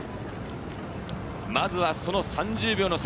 まずは、その３０秒の差。